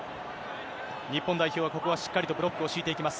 日本代表、ここはしっかりとブロックを強いていきます。